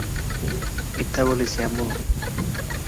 মিথ্যা বলেছি, আম্মু!